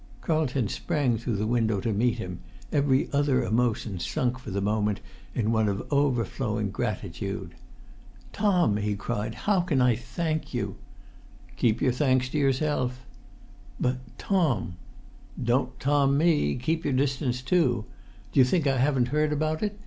Carlton sprang through the window to meet him, every other emotion sunk for the moment in one of overflowing gratitude. "Tom," he cried, "how can I thank you——" "Keep your thanks to yourself." "But—Tom——" "Don't 'Tom' me! Keep your distance too. Do you think I haven't heard about it?